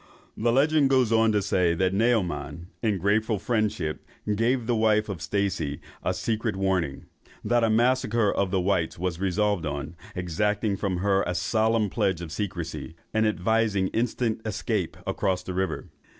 The legend goes on to say, that Naoman, in grateful friendship, gave the wife of Stacey a secret warning, that a massacre of the whites was resolved on, exacting from her a solemn pledge of secrecy, and advising instant escape across the river.